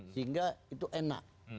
sehingga itu enak